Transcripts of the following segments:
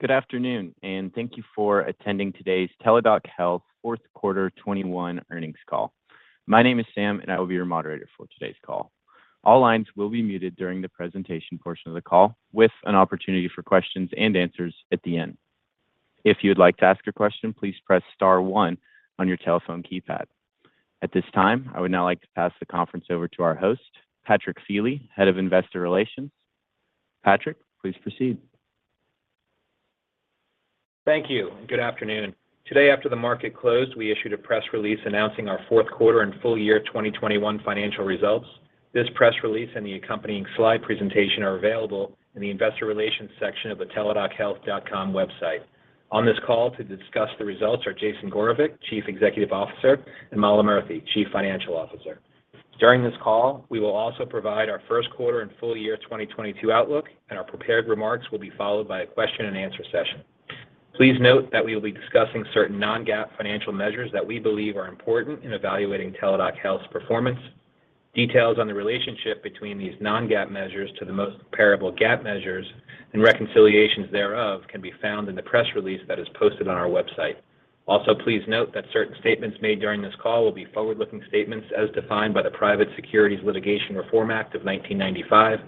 Good afternoon, and thank you for attending today's Teladoc Health fourth 1/4 2021 earnings call. My name is Sam, and I will be your moderator for today's call. All lines will be muted during the presentation portion of the call, with an opportunity for questions and answers at the end. If you would like to ask a question, please press star one on your telephone keypad. At this time, I would now like to pass the conference over to our host, Patrick Feeley, Head of Investor Relations. Patrick, please proceed. Thank you. Good afternoon. Today after the market closed, we issued a press release announcing our fourth 1/4 and full year 2021 financial results. This press release and the accompanying Slide presentation are available in the investor relations section of the teladochealth.com website. On this call to discuss the results are Jason Gorevic, Chief Executive Officer, and Mala Murthy, Chief Financial Officer. During this call, we will also provide our first 1/4 and full year 2022 outlook, and our prepared remarks will be followed by a question and answer session. Please note that we will be discussing certain Non-GAAP financial measures that we believe are important in evaluating Teladoc Health's performance. Details on the relationship between these Non-GAAP measures to the most comparable GAAP measures and reconciliations thereof can be found in the press release that is posted on our website. Also, please note that certain statements made during this call will be Forward-Looking statements as defined by the Private Securities Litigation Reform Act of 1995.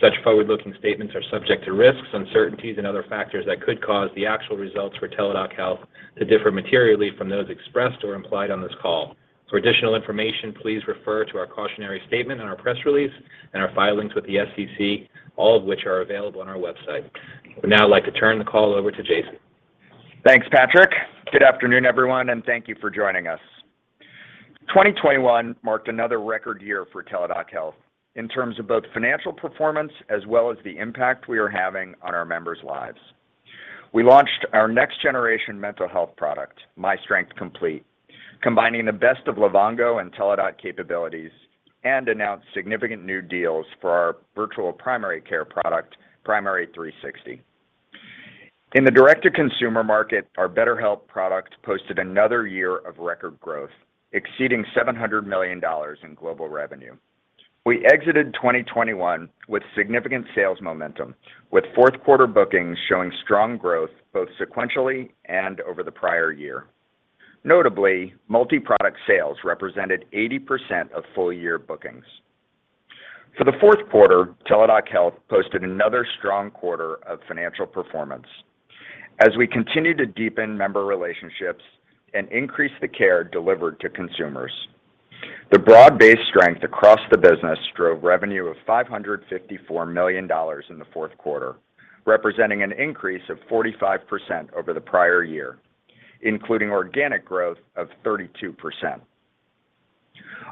Such Forward-Looking statements are subject to risks, uncertainties and other factors that could cause the actual results for Teladoc Health to differ materially from those expressed or implied on this call. For additional information, please refer to our cautionary statement on our press release and our filings with the SEC, all of which are available on our website. I would now like to turn the call over to Jason. Thanks, Patrick. Good afternoon, everyone, and thank you for joining us. 2021 marked another record year for Teladoc Health in terms of both financial performance as well as the impact we are having on our members' lives. We launched our next generation mental health product, myStrength Complete, combining the best of Livongo and Teladoc capabilities, and announced significant new deals for our virtual primary care product, Primary360. In the Direct-To-Consumer market, our BetterHelp product posted another year of record growth, exceeding $700 million in global revenue. We exited 2021 with significant sales momentum, with fourth 1/4 bookings showing strong growth both sequentially and over the prior year. Notably, multi-product sales represented 80% of full year bookings. For the fourth 1/4, Teladoc Health posted another strong 1/4 of financial performance as we continue to deepen member relationships and increase the care delivered to consumers. The broad-based strength across the business drove revenue of $554 million in the fourth 1/4, representing an increase of 45% over the prior year, including organic growth of 32%.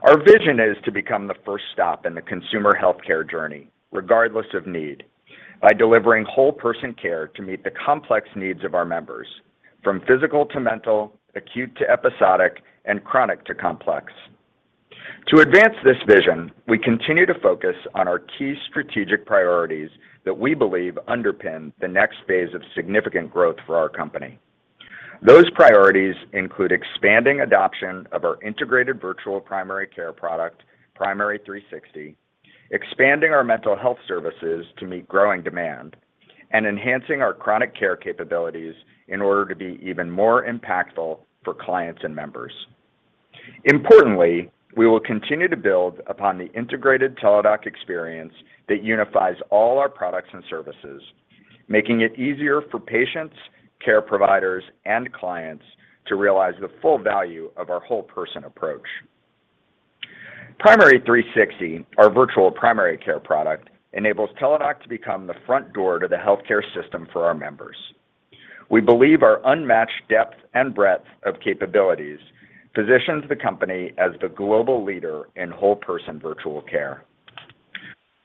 Our vision is to become the first stop in the consumer healthcare journey, regardless of need, by delivering whole person care to meet the complex needs of our members from physical to mental, acute to episodic, and chronic to complex. To advance this vision, we continue to focus on our key strategic priorities that we believe underpin the next phase of significant growth for our company. Those priorities include expanding adoption of our integrated virtual primary care product, Primary360, expanding our mental health services to meet growing demand, and enhancing our chronic care capabilities in order to be even more impactful for clients and members. Importantly, we will continue to build upon the integrated Teladoc experience that unifies all our products and services, making it easier for patients, care providers, and clients to realize the full value of our whole person approach. Primary360, our virtual primary care product, enables Teladoc to become the front door to the healthcare system for our members. We believe our unmatched depth and breadth of capabilities positions the company as the global leader in whole person virtual care.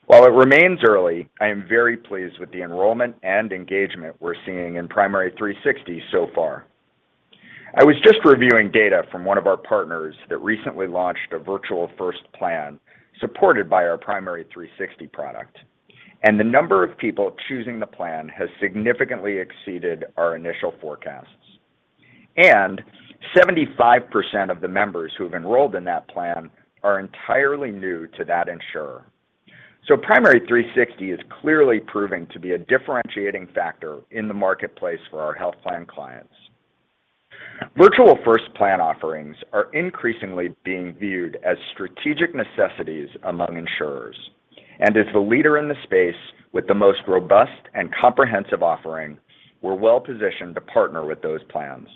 While it remains early, I am very pleased with the enrollment and engagement we're seeing in Primary360 so far. I was just reviewing data from one of our partners that recently launched a virtual first plan supported by our Primary360 product, and the number of people choosing the plan has significantly exceeded our initial forecasts. Seventy-5 percent of the members who have enrolled in that plan are entirely new to that insurer. Primary360 is clearly proving to be a differentiating factor in the marketplace for our health plan clients. Virtual first plan offerings are increasingly being viewed as strategic necessities among insurers, and as the leader in the space with the most robust and comprehensive offering, we're well positioned to partner with those plans.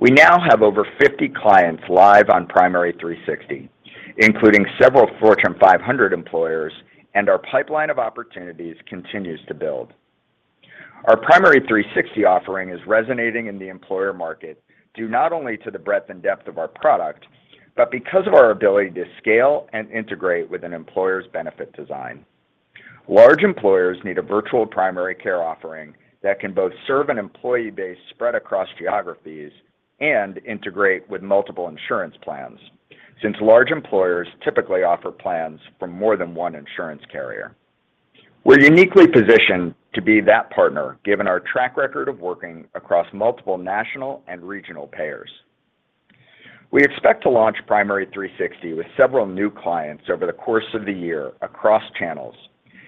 We now have over 50 clients live on Primary360, including several Fortune 500 employers, and our pipeline of opportunities continues to build. Our Primary360 offering is resonating in the employer market due not only to the breadth and depth of our product, but because of our ability to scale and integrate with an employer's benefit design. Large employers need a virtual primary care offering that can both serve an employee base spread across geographies and integrate with multiple insurance plans, since large employers typically offer plans from more than one insurance carrier. We're uniquely positioned to be that partner, given our track record of working across multiple national and regional payers. We expect to launch Primary360 with several new clients over the course of the year across channels,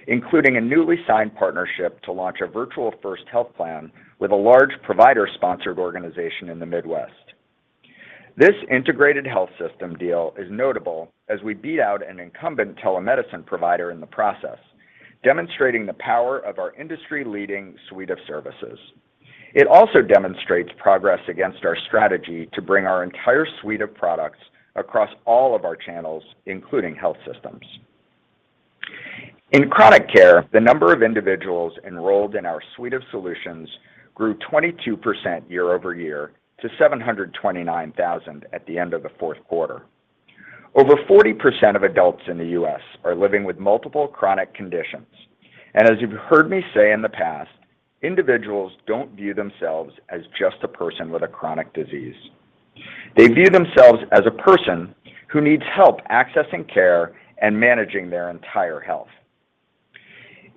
including a newly signed partnership to launch a virtual first health plan with a large provider-sponsored organization in the Midwest. This integrated health system deal is notable as we beat out an incumbent telemedicine provider in the process, demonstrating the power of our industry-leading suite of services. It also demonstrates progress against our strategy to bring our entire suite of products across all of our channels, including health systems. In chronic care, the number of individuals enrolled in our suite of solutions grew 22% Year-Over-Year to 729,000 at the end of the fourth 1/4. Over 40% of adults in the U.S. are living with multiple chronic conditions. As you've heard me say in the past, individuals don't view themselves as just a person with a chronic disease. They view themselves as a person who needs help accessing care and managing their entire health.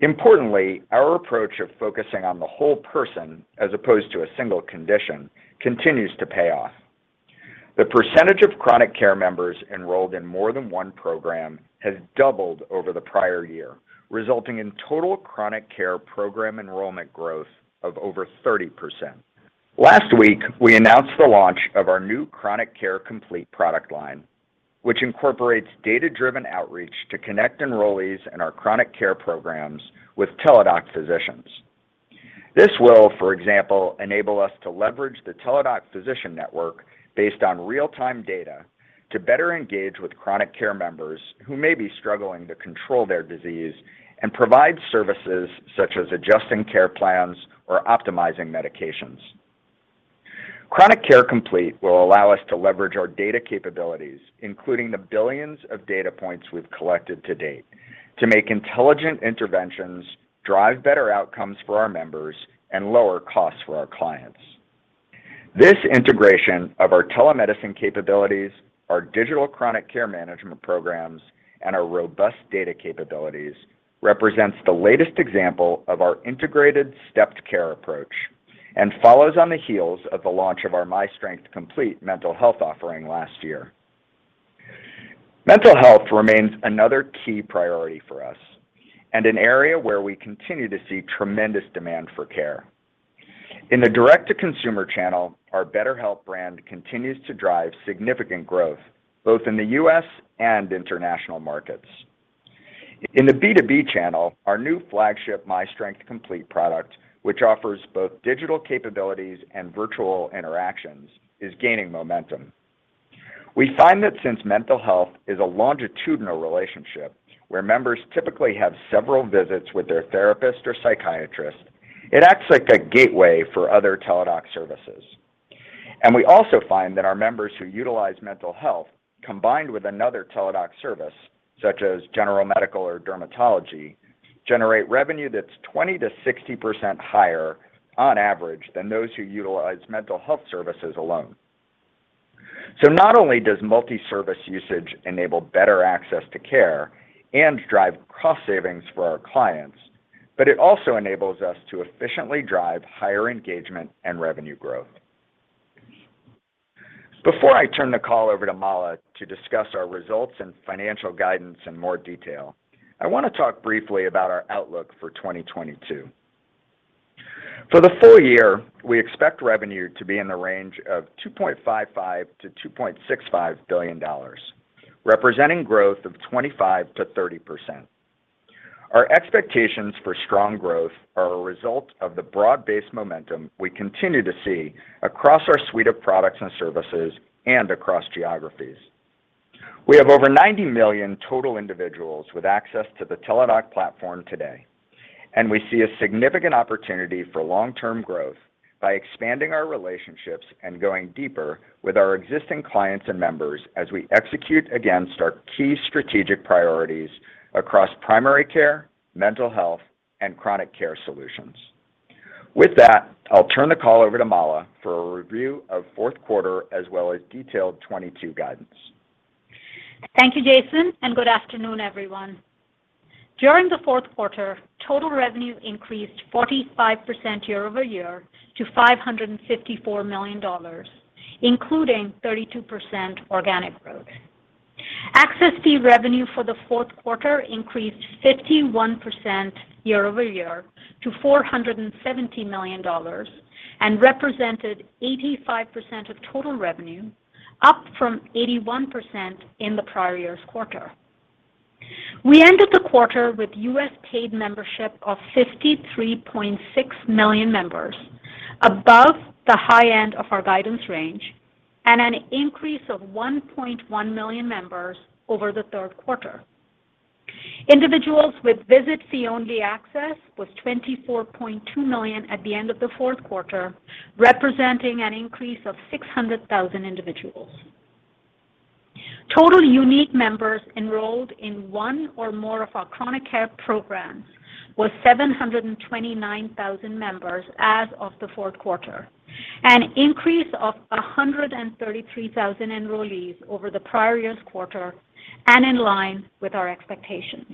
Importantly, our approach of focusing on the whole person as opposed to a single condition continues to pay off. The percentage of chronic care members enrolled in more than one program has doubled over the prior year, resulting in total chronic care program enrollment growth of over 30%. Last week, we announced the launch of our new Chronic Care Complete product line, which incorporates data-driven outreach to connect enrollees in our chronic care programs with Teladoc physicians. This will, for example, enable us to leverage the Teladoc physician network based on real-time data to better engage with chronic care members who may be struggling to control their disease and provide services such as adjusting care plans or optimizing medications. Chronic Care Complete will allow us to leverage our data capabilities, including the billions of data points we've collected to date, to make intelligent interventions, drive better outcomes for our members, and lower costs for our clients. This integration of our telemedicine capabilities, our digital chronic care management programs, and our robust data capabilities represents the latest example of our integrated stepped care approach and follows on the heels of the launch of our myStrength Complete mental health offering last year. Mental health remains another key priority for us and an area where we continue to see tremendous demand for care. In the Direct-To-Consumer channel, our BetterHelp brand continues to drive significant growth both in the U.S. and international markets. In the B2B channel, our new flagship myStrength Complete product, which offers both digital capabilities and virtual interactions, is gaining momentum. We find that since mental health is a longitudinal relationship where members typically have several visits with their therapist or psychiatrist, it acts like a gateway for other Teladoc services. We also find that our members who utilize mental health combined with another Teladoc service, such as general medical or dermatology, generate revenue that's 20%-60% higher on average than those who utilize mental health services alone. Not only does multi-service usage enable better access to care and drive cost savings for our clients, but it also enables us to efficiently drive higher engagement and revenue growth. Before I turn the call over to Mala to discuss our results and financial guidance in more detail, I want to talk briefly about our outlook for 2022. For the full year, we expect revenue to be in the range of $2.55 billion-$2.65 billion, representing growth of 25%-30%. Our expectations for strong growth are a result of the broad-based momentum we continue to see across our suite of products and services and across geographies. We have over 90 million total individuals with access to the Teladoc platform today, and we see a significant opportunity for long-term growth by expanding our relationships and going deeper with our existing clients and members as we execute against our key strategic priorities across primary care, mental health, and chronic care solutions. With that, I'll turn the call over to Mala for a review of fourth 1/4 as well as detailed 2022 guidance. Thank you, Jason, and good afternoon, everyone. During the fourth 1/4, total revenue increased 45% Year-Over-Year to $554 million, including 32% organic growth. Access fee revenue for the fourth 1/4 increased 51% Year-Over-Year to $470 million and represented 85% of total revenue, up from 81% in the prior year's 1/4. We ended the 1/4 with U.S. paid membership of 53.6 million members, above the high end of our guidance range and an increase of 1.1 million members over the 1/3 1/4. Individuals with visit fee-only access was 24.2 million at the end of the fourth 1/4, representing an increase of 600,000 individuals. Total unique members enrolled in one or more of our chronic care programs was 729,000 members as of the fourth 1/4, an increase of 133,000 enrollees over the prior year's 1/4 and in line with our expectations.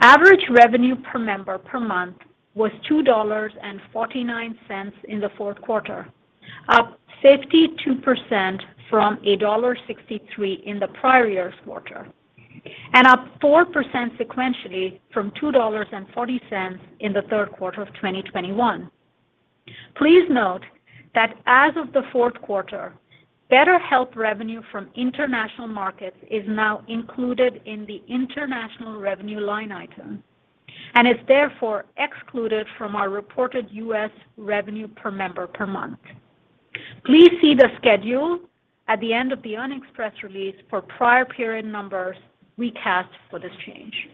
Average revenue per member per month was $2.49 in the fourth 1/4, up 52% from $1.63 in the prior year's 1/4, and up 4% sequentially from $2.40 in the 1/3 1/4 of 2021. Please note that as of the fourth 1/4, BetterHelp revenue from international markets is now included in the international revenue line item and is therefore excluded from our reported U.S. revenue per member per month. Please see the schedule at the end of the press release for prior period numbers recast for this change.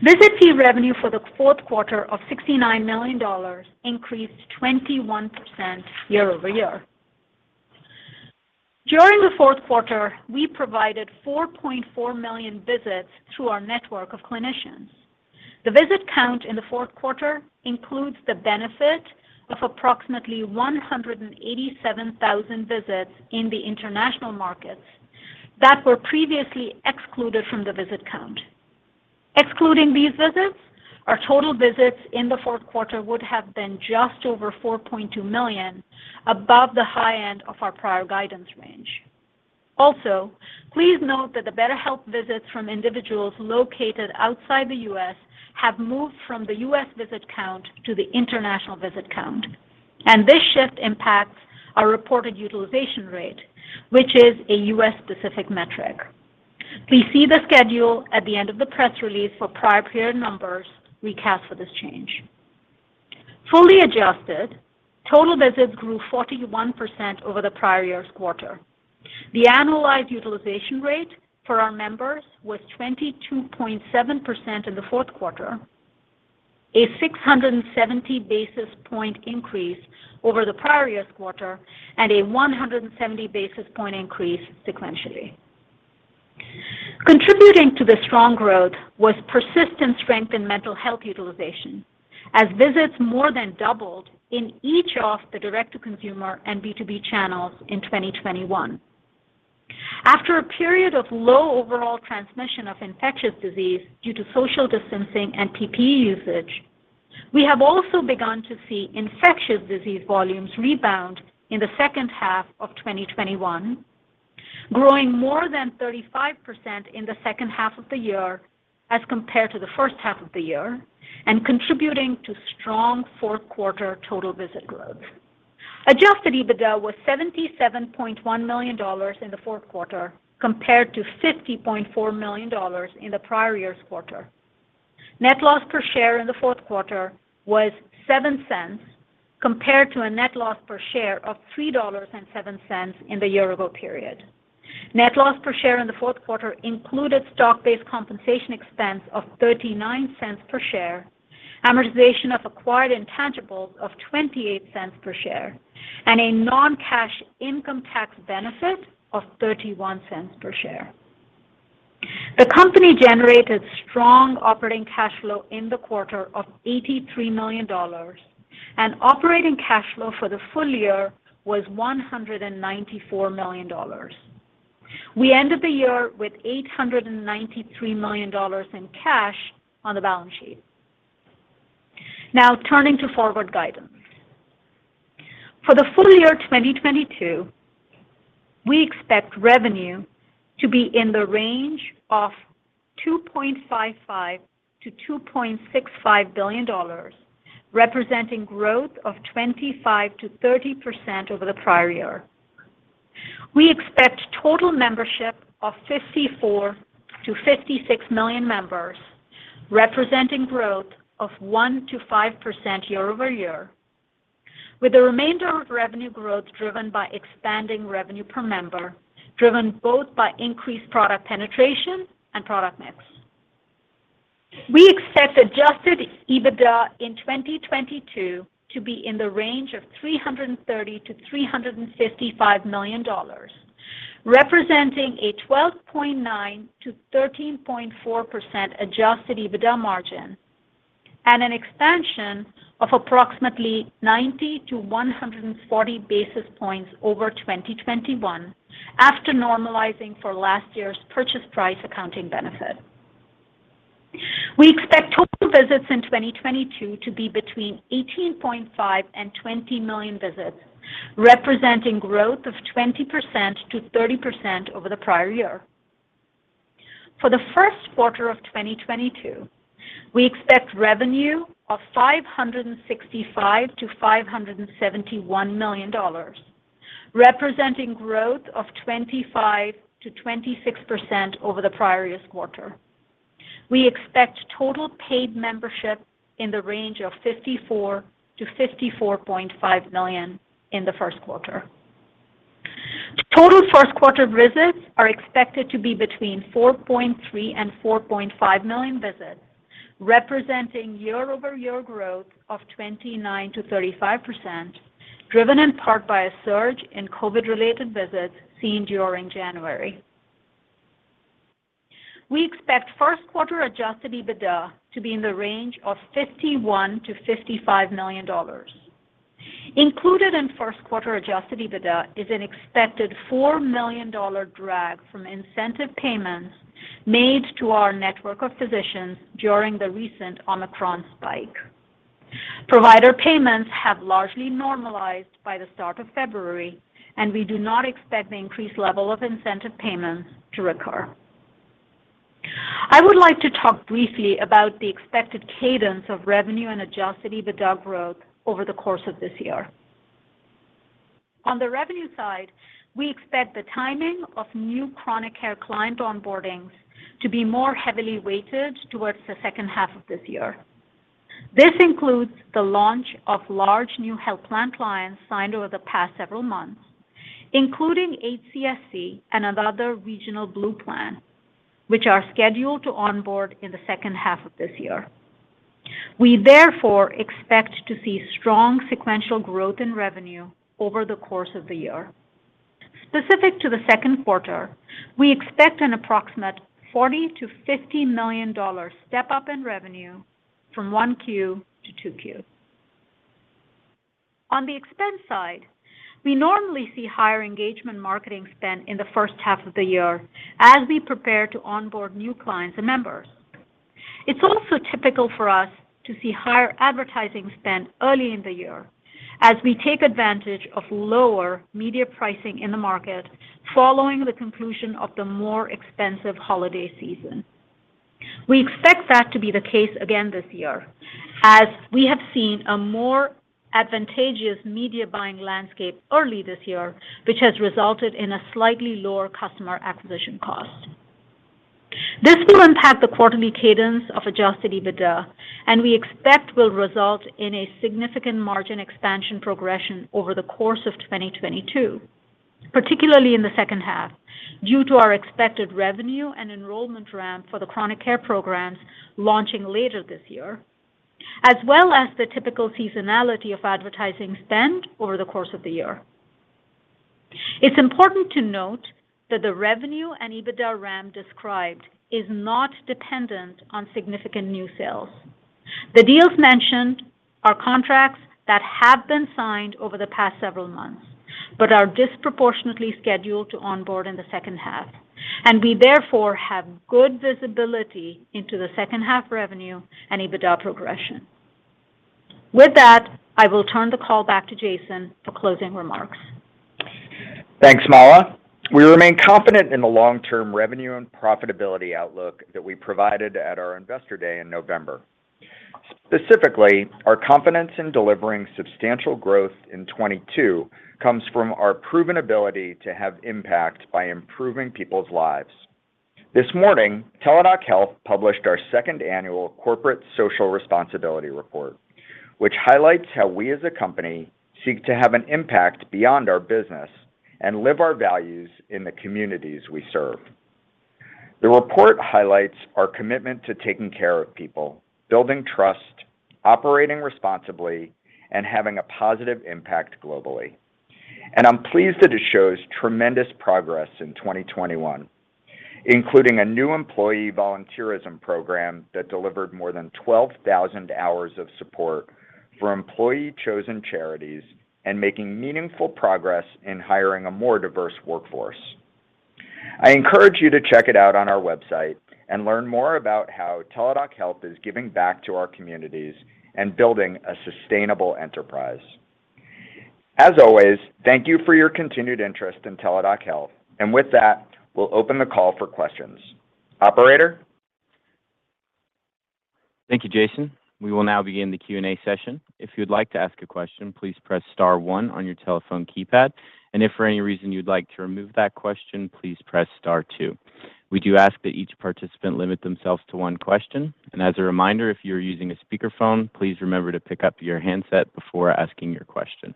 Visit fee revenue for the fourth 1/4 of $69 million increased 21% Year-Over-Year. During the fourth 1/4, we provided 4.4 million visits through our network of clinicians. The visit count in the fourth 1/4 includes the benefit of approximately 187,000 visits in the international markets that were previously excluded from the visit count. Excluding these visits, our total visits in the fourth 1/4 would have been just over 4.2 million above the high end of our prior guidance range. Also, please note that the BetterHelp visits from individuals located outside the U.S. have moved from the U.S. visit count to the international visit count, and this shift impacts our reported utilization rate, which is a U.S. specific metric. Please see the schedule at the end of the press release for prior period numbers recast for this change. Fully adjusted, total visits grew 41% over the prior year's 1/4. The annualized utilization rate for our members was 22.7% in the fourth 1/4, a 670 basis point increase over the prior year's 1/4, and a 170 basis point increase sequentially. Contributing to the strong growth was persistent strength in mental health utilization as visits more than doubled in each of the direct to consumer and B2B channels in 2021. After a period of low overall transmission of infectious disease due to social distancing and PPE usage, we have also begun to see infectious disease volumes rebound in the second 1/2 of 2021, growing more than 35% in the second 1/2 of the year as compared to the first 1/2 of the year, and contributing to strong fourth 1/4 total visit growth. Adjusted EBITDA was $77.1 million in the fourth 1/4 compared to $50.4 million in the prior year's 1/4. Net loss per share in the fourth 1/4 was $0.07 compared to a net loss per share of $3.07 in the year ago period. Net loss per share in the fourth 1/4 included stock-based compensation expense of $0.39 per share, amortization of acquired intangibles of $0.28 per share, and a Non-Cash income tax benefit of $0.31 per share. The company generated strong operating cash flow in the 1/4 of $83 million, and operating cash flow for the full year was $194 million. We end the year with $893 million in cash on the balance sheet. Now turning to forward guidance. For the full year 2022, we expect revenue to be in the range of $2.55 billion-$2.65 billion, representing growth of 25%-30% over the prior year. We expect total membership of 54 million-56 million members, representing growth of 1%-5% Year-Over-Year, with the remainder of revenue growth driven by expanding revenue per member, driven both by increased product penetration and product mix. We expect adjusted EBITDA in 2022 to be in the range of $330 million-$355 million, representing a 12.9%-13.4% adjusted EBITDA margin and an expansion of approximately 90-140 basis points over 2021 after normalizing for last year's purchase price accounting benefit. We expect total visits in 2022 to be between 18.5 and 20 million visits, representing growth of 20%-30% over the prior year. For the first 1/4 of 2022, we expect revenue of $565 million-$571 million, representing growth of 25%-26% over the prior year's 1/4. We expect total paid membership in the range of 54-54.5 million in the first 1/4. Total first 1/4 visits are expected to be between 4.3-4.5 million visits, representing Year-Over-Year growth of 29%-35%, driven in part by a surge in COVID-related visits seen during January. We expect first 1/4 adjusted EBITDA to be in the range of $51 million-$55 million. Included in first 1/4 adjusted EBITDA is an expected $4 million drag from incentive payments made to our network of physicians during the recent Omicron spike. Provider payments have largely normalized by the start of February, and we do not expect the increased level of incentive payments to recur. I would like to talk briefly about the expected cadence of revenue and adjusted EBITDA growth over the course of this year. On the revenue side, we expect the timing of new chronic care client onboardings to be more heavily weighted towards the second 1/2 of this year. This includes the launch of large new health plan clients signed over the past several months, including HCSC and another regional blue plan, which are scheduled to onboard in the second 1/2 of this year. We therefore expect to see strong sequential growth in revenue over the course of the year. Specific to the second 1/4, we expect an approximate $40 million-$50 million step-up in revenue from Q1 to Q2. On the expense side, we normally see higher engagement marketing spend in the first 1/2 of the year as we prepare to onboard new clients and members. It's also typical for us to see higher advertising spend early in the year as we take advantage of lower media pricing in the market following the conclusion of the more expensive holiday season. We expect that to be the case again this year as we have seen a more advantageous media buying landscape early this year, which has resulted in a slightly lower customer acquisition cost. This will impact the quarterly cadence of adjusted EBITDA, and we expect will result in a significant margin expansion progression over the course of 2022, particularly in the second 1/2, due to our expected revenue and enrollment ramp for the chronic care programs launching later this year, as well as the typical seasonality of advertising spend over the course of the year. It's important to note that the revenue and EBITDA ramp described is not dependent on significant new sales. The deals mentioned are contracts that have been signed over the past several months but are disproportionately scheduled to onboard in the second 1/2. We therefore have good visibility into the second 1/2 revenue and EBITDA progression. With that, I will turn the call back to Jason for closing remarks. Thanks, Mala. We remain confident in the long-term revenue and profitability outlook that we provided at our Investor Day in November. Specifically, our confidence in delivering substantial growth in 2022 comes from our proven ability to have impact by improving people's lives. This morning, Teladoc Health published our second annual corporate social responsibility report, which highlights how we as a company seek to have an impact beyond our business and live our values in the communities we serve. The report highlights our commitment to taking care of people, building trust, operating responsibly, and having a positive impact globally. I'm pleased that it shows tremendous progress in 2021, including a new employee volunteerism program that delivered more than 12,000 hours of support for employee-chosen charities and making meaningful progress in hiring a more diverse workforce. I encourage you to check it out on our website and learn more about how Teladoc Health is giving back to our communities and building a sustainable enterprise. As always, thank you for your continued interest in Teladoc Health. With that, we'll open the call for questions. Operator. Thank you, Jason. We will now begin the Q&A session. If you'd like to ask a question, please press star one on your telephone keypad. If for any reason you'd like to remove that question, please press star 2. We do ask that each participant limit themselves to one question. As a reminder, if you're using a speakerphone, please remember to pick up your handset before asking your question.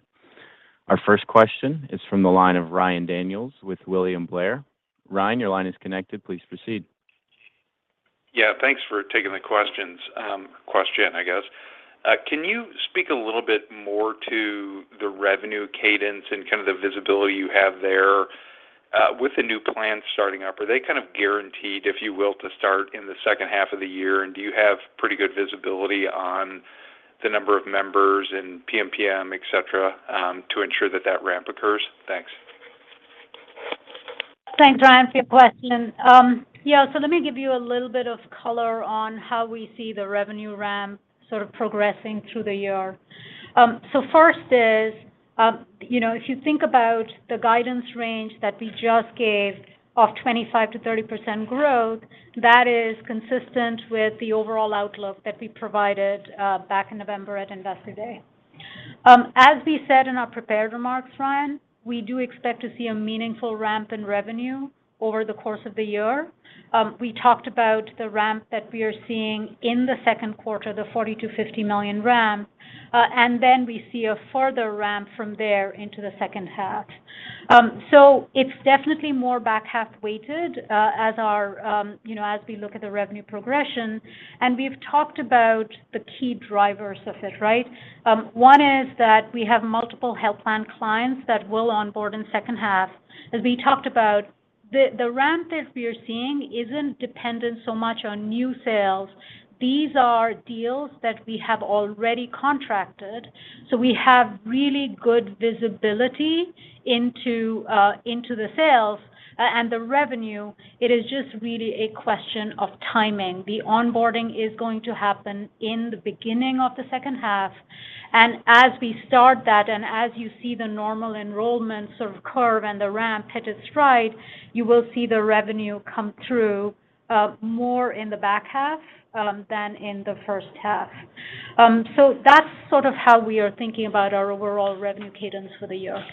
Our first question is from the line of Ryan Daniels with William Blair. Ryan, your line is connected. Please proceed. Yeah. Thanks for taking the questions, I guess. Can you speak a little bit more to the revenue cadence and kind of the visibility you have there, with the new plan starting up? Are they kind of guaranteed, if you will, to start in the second 1/2 of the year? Do you have pretty good visibility on the number of members and PMPM, et cetera, to ensure that that ramp occurs? Thanks. Thanks, Ryan, for your question. Let me give you a little bit of color on how we see the revenue ramp sort of progressing through the year. First is, you know, if you think about the guidance range that we just gave of 25%-30% growth, that is consistent with the overall outlook that we provided back in November at Investor Day. As we said in our prepared remarks, Ryan, we do expect to see a meaningful ramp in revenue over the course of the year. We talked about the ramp that we are seeing in the second 1/4, the $40 million-$50 million ramp, and then we see a further ramp from there into the second 1/2. It's definitely more back-1/2 weighted, as our, you know, as we look at the revenue progression, and we've talked about the key drivers of it, right? One is that we have multiple health plan clients that will onboard in second 1/2, as we talked about The ramp that we're seeing isn't dependent so much on new sales. These are deals that we have already contracted, so we have really good visibility into the sales and the revenue. It is just really a question of timing. The onboarding is going to happen in the beginning of the second 1/2, and as we start that, and as you see the normal enrollment sort of curve and the ramp hit its stride, you will see the revenue come through more in the back 1/2 than in the first 1/2. That's sort of how we are thinking about our overall revenue cadence for the year.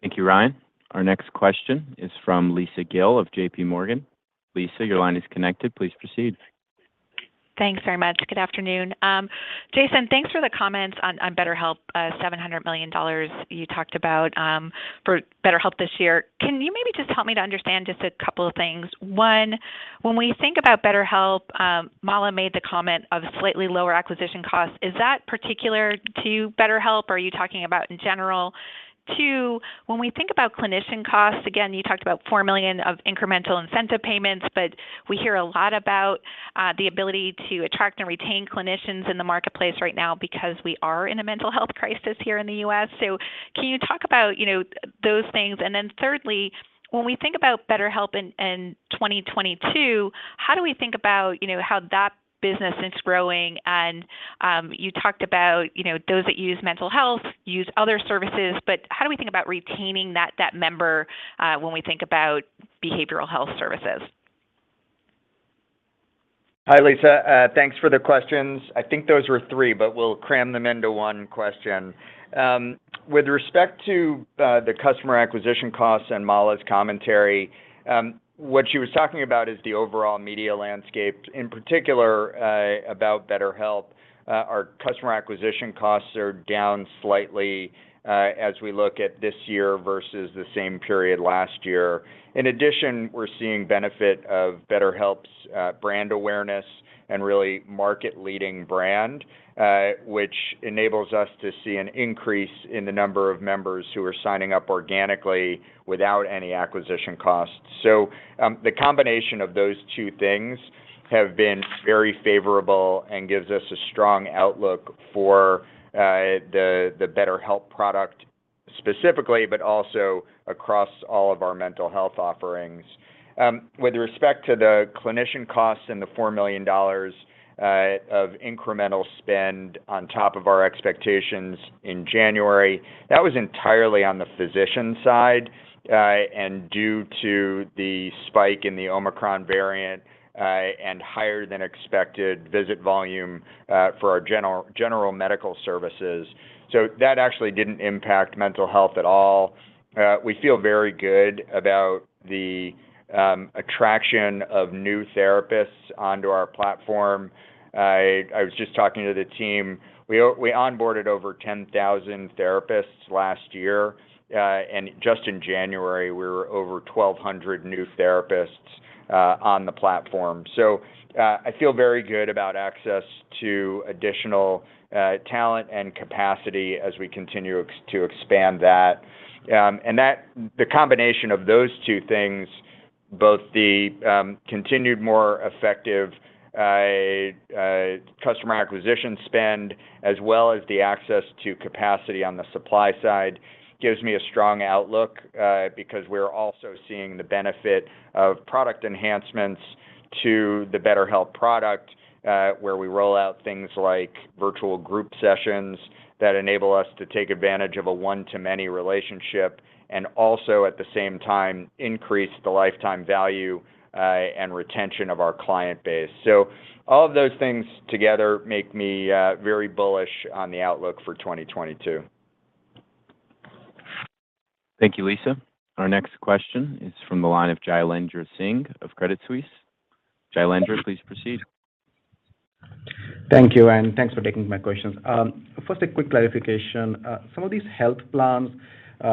Thank you, Ryan. Our next question is from Lisa Gill of JP Morgan. Lisa, your line is connected. Please proceed. Thanks very much. Good afternoon. Jason, thanks for the comments on BetterHelp, $700 million you talked about for BetterHelp this year. Can you maybe just help me to understand just a couple of things? One, when we think about BetterHelp, Mala made the comment of slightly lower acquisition costs. Is that particular to BetterHelp, or are you talking about in general? Two, when we think about clinician costs, again, you talked about $4 million of incremental incentive payments, but we hear a lot about the ability to attract and retain clinicians in the marketplace right now because we are in a mental health crisis here in the U.S. Can you talk about, you know, those things? Thirdly, when we think about BetterHelp in 2022, how do we think about, you know, how that business is growing and you talked about, you know, those that use mental health use other services, but how do we think about retaining that member when we think about behavioral health services? Hi, Lisa. Thanks for the questions. I think those were 3, but we'll cram them into one question. With respect to the customer acquisition costs and Mala's commentary, what she was talking about is the overall media landscape, in particular, about BetterHelp. Our customer acquisition costs are down slightly, as we look at this year versus the same period last year. In addition, we're seeing benefit of BetterHelp's brand awareness and really market-leading brand, which enables us to see an increase in the number of members who are signing up organically without any acquisition costs. The combination of those 2 things have been very favorable and gives us a strong outlook for the BetterHelp product specifically, but also across all of our mental health offerings. With respect to the clinician costs and the $4 million of incremental spend on top of our expectations in January, that was entirely on the physician side and due to the spike in the Omicron variant and higher than expected visit volume for our general medical services. That actually didn't impact mental health at all. We feel very good about the attraction of new therapists onto our platform. I was just talking to the team. We onboarded over 10,000 therapists last year and just in January, we were over 1,200 new therapists on the platform. I feel very good about access to additional talent and capacity as we continue to expand that. The combination of those 2 things, both the continued more effective customer acquisition spend, as well as the access to capacity on the supply side, gives me a strong outlook, because we're also seeing the benefit of product enhancements to the BetterHelp product, where we roll out things like virtual group sessions that enable us to take advantage of a one-to-many relationship, and also at the same time, increase the lifetime value and retention of our client base. All of those things together make me very bullish on the outlook for 2022. Thank you, Lisa. Our next question is from the line of Jailendra Singh of Credit Suisse. Jailendra, please proceed. Thank you, and thanks for taking my questions. First, a quick clarification. Some of these health plans,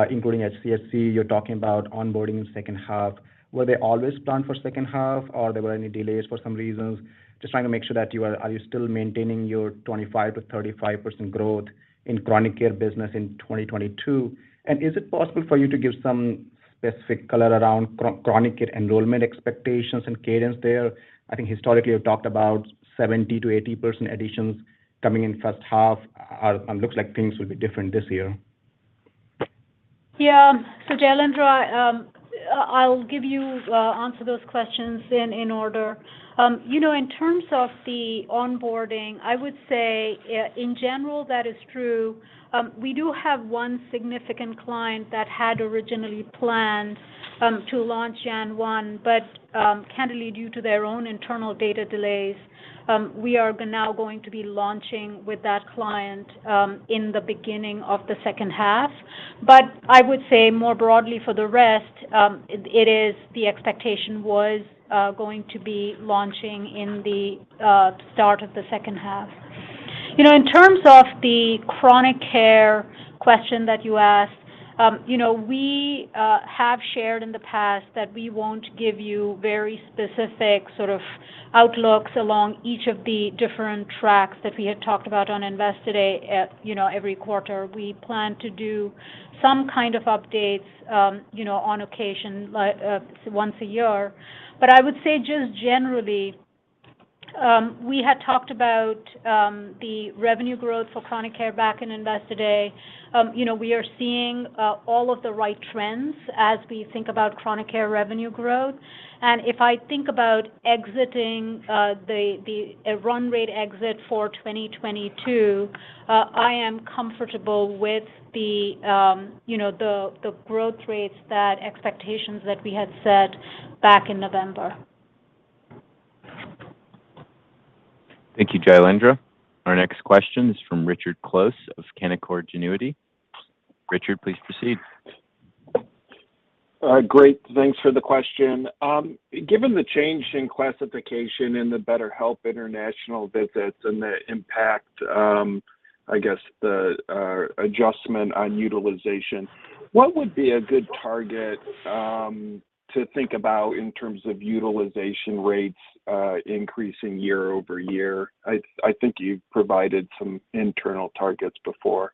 including HCSC, you're talking about onboarding in second 1/2, were they always planned for second 1/2, or there were any delays for some reasons? Just trying to make sure that are you still maintaining your 25%-35% growth in chronic care business in 2022? Is it possible for you to give some specific color around chronic care enrollment expectations and cadence there? I think historically, you've talked about 70%-80% additions coming in first 1/2. Looks like things will be different this year. Yeah. Jailendra, I'll give you answer those questions in order. You know, in terms of the onboarding, I would say in general, that is true. We do have one significant client that had originally planned to launch January 1, but candidly, due to their own internal data delays, we are now going to be launching with that client in the beginning of the second 1/2. I would say more broadly for the rest, it is the expectation was going to be launching in the start of the second 1/2. You know, in terms of the chronic care question that you asked, you know, we have shared in the past that we won't give you very specific sort of Outlooks along each of the different tracks that we had talked about on Investor Day, you know, every 1/4. We plan to do some kind of updates, you know, on occasion, like once a year. But I would say just generally, we had talked about the revenue growth for chronic care back in Investor Day. You know, we are seeing all of the right trends as we think about chronic care revenue growth. If I think about exiting the run rate exit for 2022, I am comfortable with the growth rates and expectations that we had set back in November. Thank you, Jailendra Singh. Our next question is from Richard Close of Canaccord Genuity. Richard, please proceed. Great. Thanks for the question. Given the change in classification in the BetterHelp International visits and the impact, I guess the adjustment on utilization, what would be a good target to think about in terms of utilization rates increasing Year-Over-Year? I think you've provided some internal targets before.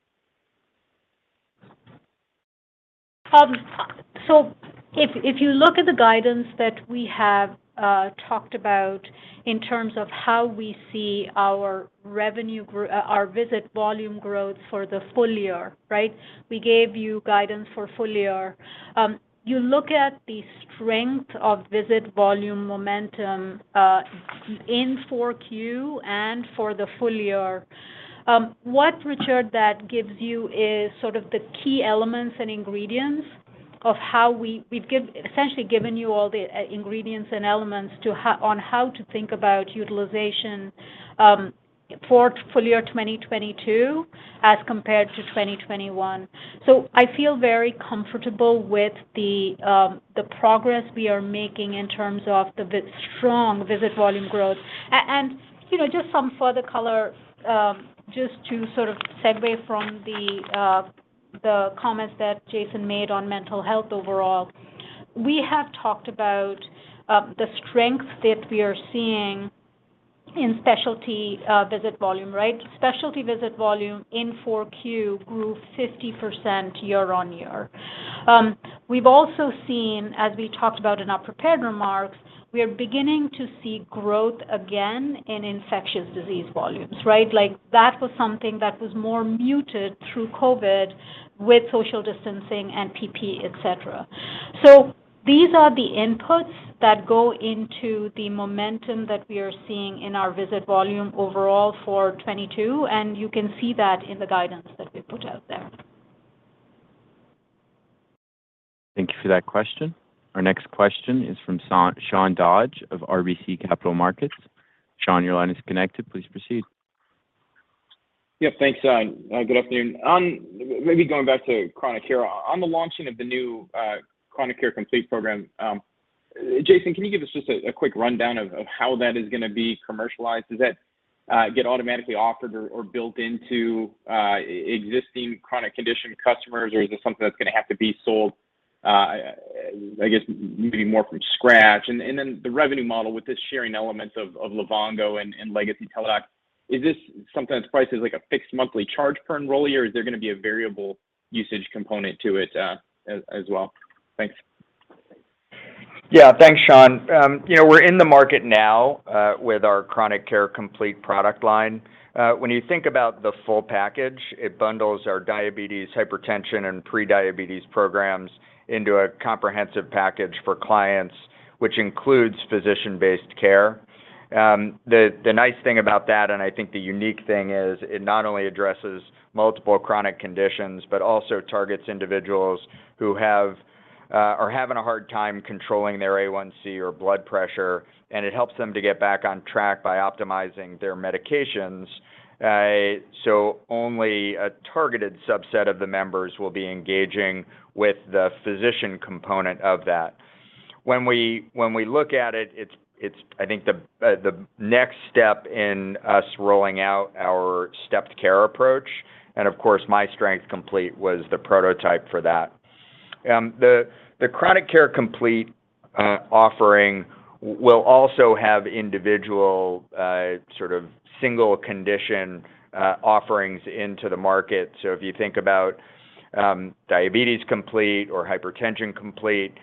If you look at the guidance that we have talked about in terms of how we see our visit volume growth for the full year, right? We gave you guidance for full year. You look at the strength of visit volume momentum in Q4 and for the full year. What, Richard, that gives you is sort of the key elements and ingredients of how we've essentially given you all the ingredients and elements on how to think about utilization for full year 2022 as compared to 2021. I feel very comfortable with the progress we are making in terms of the strong visit volume growth. You know, just some further color, just to sort of segue from the comments that Jason made on mental health overall. We have talked about the strength that we are seeing in specialty visit volume, right? Specialty visit volume in Q4 grew 50% Year-Over-Year. We've also seen, as we talked about in our prepared remarks, we are beginning to see growth again in infectious disease volumes, right? Like, that was something that was more muted through COVID with social distancing and PPE, et cetera. These are the inputs that go into the momentum that we are seeing in our visit volume overall for 2022, and you can see that in the guidance that we put out there. Thank you for that question. Our next question is from Sean Dodge of RBC Capital Markets. Sean, your line is connected. Please proceed. Yep. Thanks, Sean. Good afternoon. Maybe going back to chronic care. On the launching of the new Chronic Care Complete program, Jason, can you give us just a quick rundown of how that is gonna be commercialized? Does that get automatically offered or built into existing chronic condition customers? Or is this something that's gonna have to be sold, I guess maybe more from scratch? Then the revenue model with this sharing elements of Livongo and Legacy Teladoc, is this sometimes priced as like a fixed monthly charge per enrollee, or is there gonna be a variable usage component to it, as well? Thanks. Yeah. Thanks, Sean. You know, we're in the market now with our Chronic Care Complete product line. When you think about the full package, it bundles our diabetes, hypertension, and pre-diabetes programs into a comprehensive package for clients, which includes physician-based care. The nice thing about that, and I think the unique thing is, it not only addresses multiple chronic conditions, but also targets individuals who are having a hard time controlling their A1C or blood pressure, and it helps them to get back on track by optimizing their medications. Only a targeted subset of the members will be engaging with the physician component of that. When we look at it's, I think, the next step in us rolling out our stepped care approach, and of course, myStrength Complete was the prototype for that. The Chronic Care Complete offering will also have individual sort of single condition offerings into the market. If you think about Diabetes Complete or Hypertension Complete,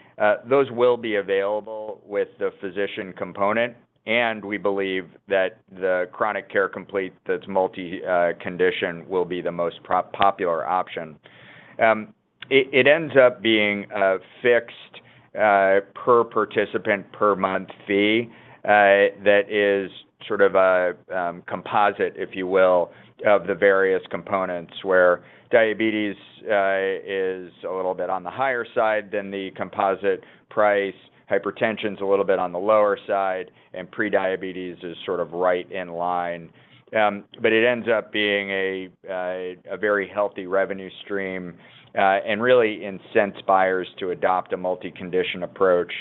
those will be available with the physician component, and we believe that the Chronic Care Complete that's multi-condition will be the most popular option. It ends up being a fixed per participant per month fee that is sort of a composite, if you will, of the various components where diabetes is a little bit on the higher side than the composite price. Hypertension's a little bit on the lower side, and pre-diabetes is sort of right in line. It ends up being a very healthy revenue stream and really incents buyers to adopt a multi-condition approach.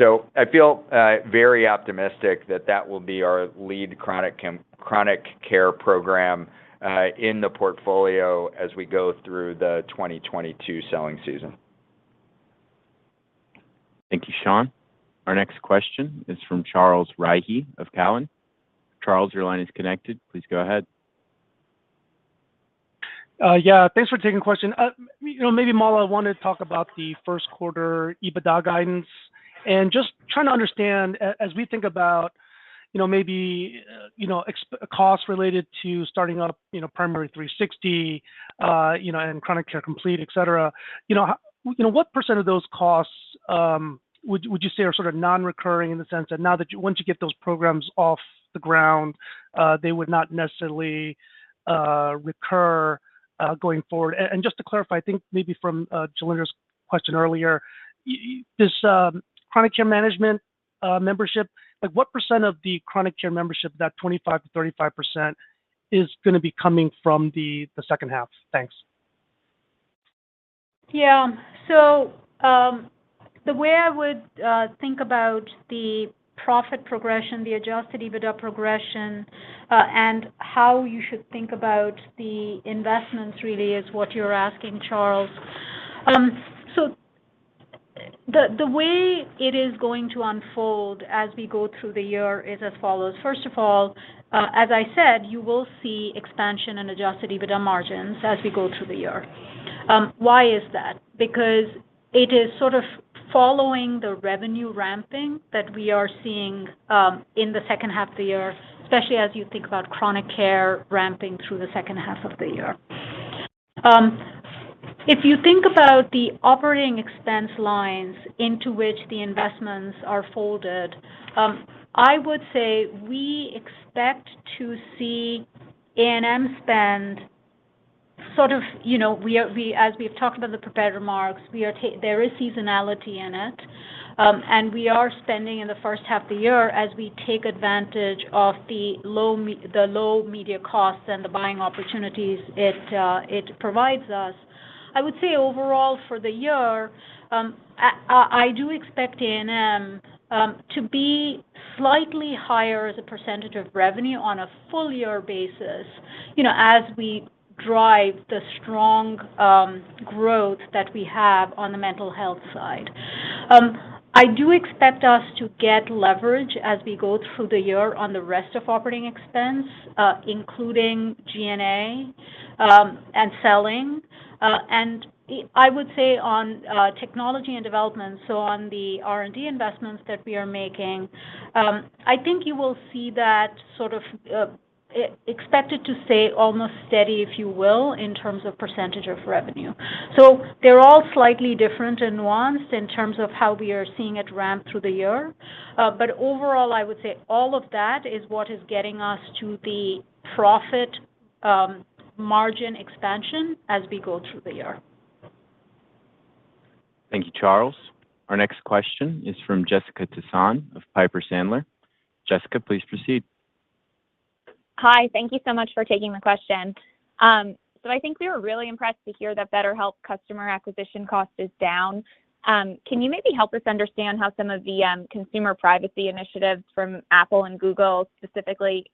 I feel very optimistic that that will be our lead chronic care program in the portfolio as we go through the 2022 selling season. Thank you, Sean. Our next question is from Charles Rhyee of Cowen. Charles, your line is connected. Please go ahead. Yeah, thanks for taking the question. You know, maybe Mala wanted to talk about the first 1/4 EBITDA guidance, and just trying to understand, as we think about, you know, maybe, you know, expected costs related to starting up, you know, Primary360, you know, and Chronic Care Complete, et cetera. You know, what percent of those costs would you say are sort of Non-recurring in the sense that once you get those programs off the ground, they would not necessarily recur going forward? And just to clarify, I think maybe from Jailendra's question earlier, this chronic care management membership, like what percent of the chronic care membership, that 25%-35% is gonna be coming from the second 1/2? Thanks. Yeah. The way I would think about the profit progression, the adjusted EBITDA progression, and how you should think about the investments really is what you're asking, Charles. The way it is going to unfold as we go through the year is as follows. First of all, as I said, you will see expansion and adjusted EBITDA margins as we go through the year. Why is that? Because it is sort of following the revenue ramping that we are seeing in the second 1/2 of the year, especially as you think about chronic care ramping through the second 1/2 of the year. If you think about the operating expense lines into which the investments are folded, I would say we expect to see A&M spend sort of, you know, as we've talked about the prepared remarks, there is seasonality in it, and we are spending in the first 1/2 of the year as we take advantage of the low media costs and the buying opportunities it provides us. I would say overall for the year, I do expect A&M to be slightly higher as a percentage of revenue on a full year basis, you know, as we drive the strong growth that we have on the mental health side. I do expect us to get leverage as we go through the year on the rest of operating expense, including G&A and selling. I would say on technology and development, so on the R&D investments that we are making, I think you will see that sort of expected to stay almost steady, if you will, in terms of percentage of revenue. They're all slightly different and nuanced in terms of how we are seeing it ramp through the year. Overall, I would say all of that is what is getting us to the profit margin expansion as we go through the year. Thank you, Charles. Our next question is from Jessica Tassan of Piper Sandler. Jessica, please proceed. Hi, thank you so much for taking the question. I think we were really impressed to hear that BetterHelp customer acquisition cost is down. Can you maybe help us understand how some of the consumer privacy initiatives from Apple and Google, specifically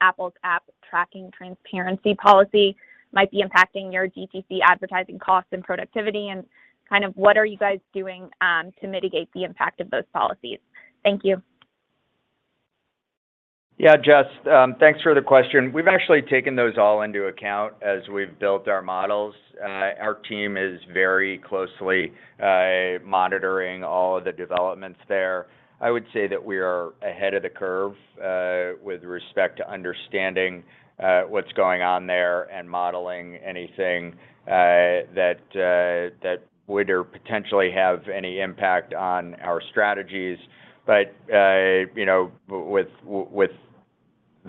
Apple's app tracking transparency policy, might be impacting your DTC advertising costs and productivity, and kind of what are you guys doing to mitigate the impact of those policies? Thank you. Yeah. Jessica, thanks for the question. We've actually taken those all into account as we've built our models. Our team is very closely monitoring all of the developments there. I would say that we are ahead of the curve with respect to understanding what's going on there and modeling anything that would or potentially have any impact on our strategies. With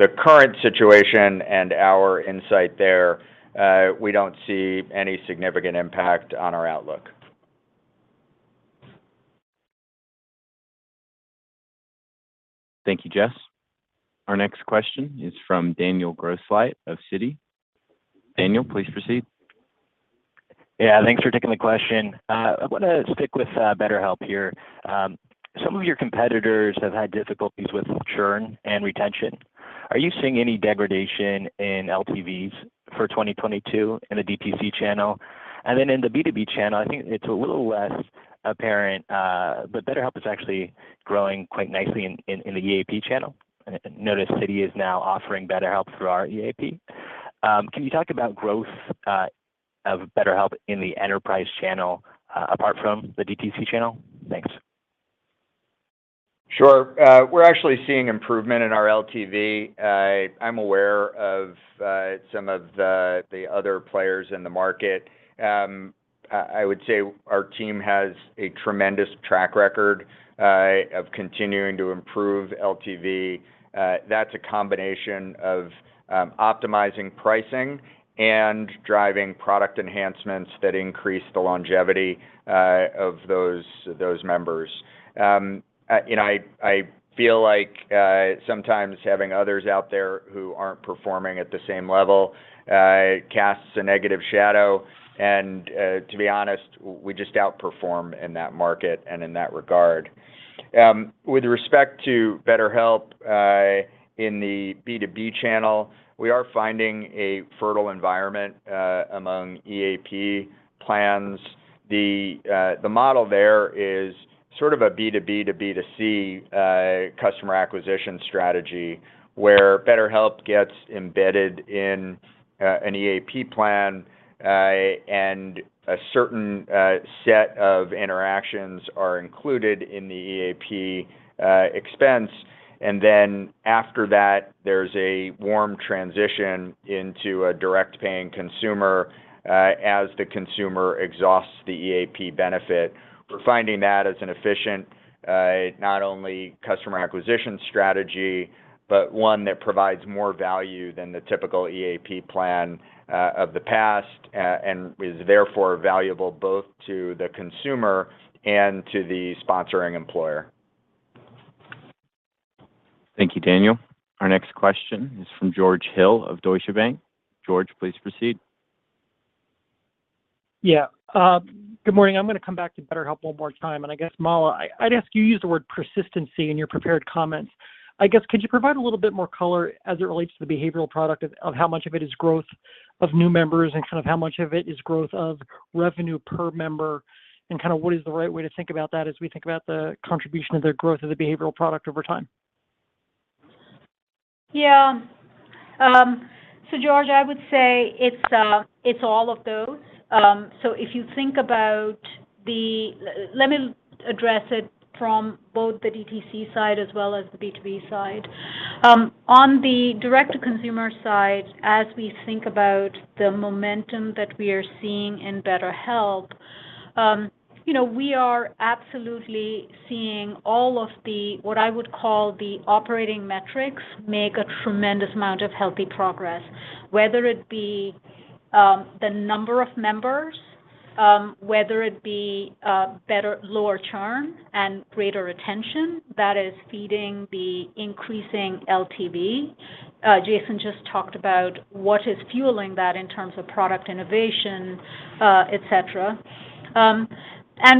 the current situation and our insight there, we don't see any significant impact on our outlook. Thank you, Jessica. Our next question is from Daniel Grosslight of Citi. Daniel, please proceed. Yeah, thanks for taking the question. I wanna stick with BetterHelp here. Some of your competitors have had difficulties with churn and retention. Are you seeing any degradation in LTVs for 2022 in the DTC channel? And then in the B2B channel, I think it's a little less apparent, but BetterHelp is actually growing quite nicely in the EAP channel. Notice Citi is now offering BetterHelp through our EAP. Can you talk about growth of BetterHelp in the enterprise channel apart from the DTC channel? Thanks. Sure. We're actually seeing improvement in our LTV. I'm aware of some of the other players in the market. I would say our team has a tremendous track record of continuing to improve LTV. That's a combination of optimizing pricing and driving product enhancements that increase the longevity of those members. You know, I feel like sometimes having others out there who aren't performing at the same level casts a negative shadow, and to be honest, we just outperform in that market and in that regard. With respect to BetterHelp, in the B2B channel, we are finding a fertile environment among EAP plans. The model there is sort of a B2B2C customer acquisition strategy where BetterHelp gets embedded in an EAP plan, and a certain set of interactions are included in the EAP expense. After that, there's a warm transition into a direct paying consumer as the consumer exhausts the EAP benefit. We're finding that as an efficient not only customer acquisition strategy, but one that provides more value than the typical EAP plan of the past, and is therefore valuable both to the consumer and to the sponsoring employer. Thank you, Daniel. Our next question is from George Hill of Deutsche Bank. George, please proceed. Yeah. Good morning. I'm gonna come back to BetterHelp one more time, and I guess, Mala, I'd ask you used the word persistency in your prepared comments. I guess, could you provide a little bit more color as it relates to the behavioral product of how much of it is growth of new members and kind of how much of it is growth of revenue per member, and kinda what is the right way to think about that as we think about the contribution of their growth of the behavioral product over time? Yeah. George, I would say it's all of those. If you think about the let me address it from both the DTC side as well as the B2B side. On the direct to consumer side, as we think about the momentum that we are seeing in BetterHelp, you know, we are absolutely seeing all of the, what I would call the operating metrics, make a tremendous amount of healthy progress, whether it be the number of members, whether it be better lower churn and greater retention that is feeding the increasing LTV. Jason just talked about what is fueling that in terms of product innovation, et cetera.